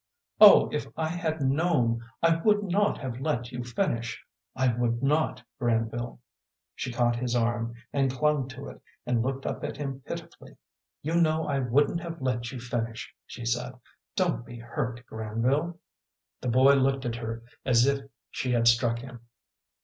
Oh, if I had known! I would not have let you finish. I would not, Granville." She caught his arm, and clung to it, and looked up at him pitifully. "You know I wouldn't have let you finish," she said. "Don't be hurt, Granville." The boy looked at her as if she had struck him.